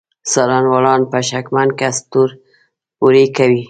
څارنوالان په شکمن کس تور پورې کوي.